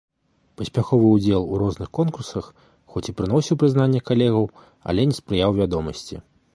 Паспяховы ўдзел у розных конкурсах хоць і прыносіў прызнанне калегаў, але не спрыяў вядомасці.